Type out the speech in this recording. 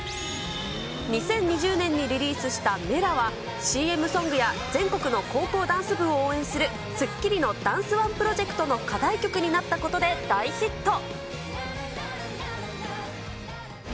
２０２０年にリリースしたＭｅｌａ！は、ＣＭソングや全国の高校ダンス部を応援するスッキリとダンスＯＮＥプロジェクトの課題曲になったことで大ヒット。